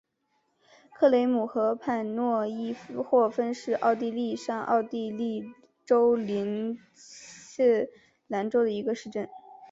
克雷姆河畔诺伊霍芬是奥地利上奥地利州林茨兰县的一个市镇。